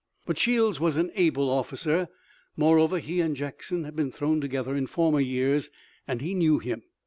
But Shields was an able officer. Moreover he and Jackson had been thrown together in former years, and he knew him.